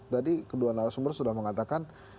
tadi kedua narasumber sudah mengatakan